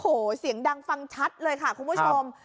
โอ้โหเสียงดังฟังชัดเลยค่ะคุณผู้ชม